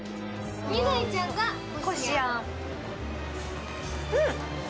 未来ちゃんが、こしあん。